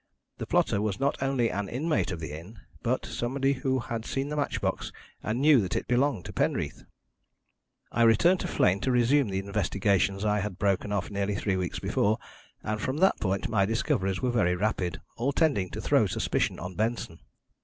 The plotter was not only an inmate of the inn, but somebody who had seen the match box and knew that it belonged to Penreath. "I returned to Flegne to resume the investigations I had broken off nearly three weeks before, and from that point my discoveries were very rapid, all tending to throw suspicion on Benson.